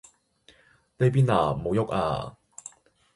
呢邊啊，唔好郁啊